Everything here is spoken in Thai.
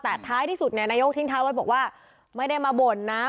แต่ท้ายที่สุดนายโยคทิ้งท้าว่าไม่ได้มาบ่นนะ